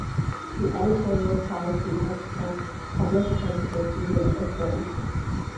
Its editorial policy has sparked public controversies in Iceland.